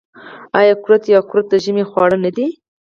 آیا کورت یا قروت د ژمي خواړه نه دي؟